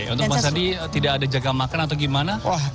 untuk bang sandi tidak ada jaga makan atau gimana